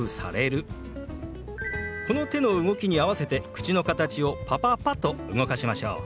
この手の動きに合わせて口の形を「パパパ」と動かしましょう。